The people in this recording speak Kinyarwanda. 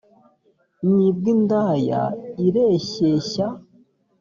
nyi bw indaya ireshyeshya